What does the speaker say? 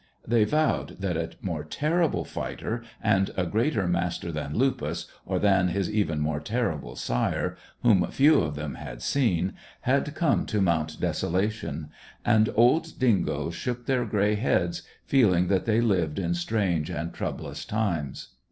They vowed that a more terrible fighter and a greater master than Lupus, or than his even more terrible sire, whom few of them had seen, had come to Mount Desolation, and old dingoes shook their grey heads, feeling that they lived in strange and troublous times.